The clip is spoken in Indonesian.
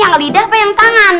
yang lidah apa yang tangan